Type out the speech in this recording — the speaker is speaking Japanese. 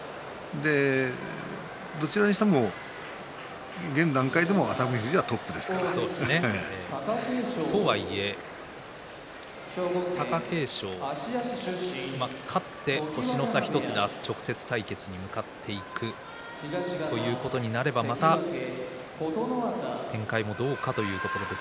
どちらにしても現段階でも熱海富士はトップですから。とはいえ貴景勝勝って星の差１つで、明日直接対決に向かっていくということになれば、また展開もどうかというところです。